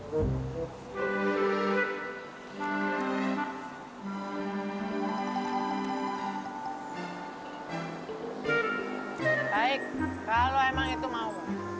baik kalau emang itu mau